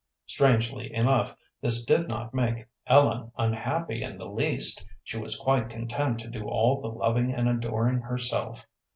Strangely enough, this did not make Ellen unhappy in the least, she was quite content to do all the loving and adoring herself.